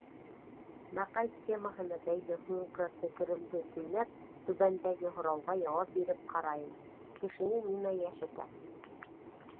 Мәҡәлә темаһына бәйле һуңғы фекеремде төйнәп, түбәндәге һорауға яуап биреп ҡарайым: «Кешене нимә йәшәтә?»